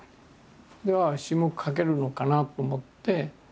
詩も書けるのかなと思って。